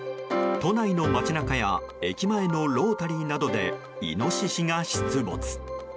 都内の街中や駅前のロータリーなどでイノシシが出没。